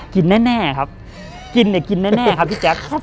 กินแน่แน่ครับกินเน่กินแน่แน่ครับพี่แจ๊กครับ